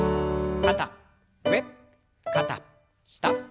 肩上肩下。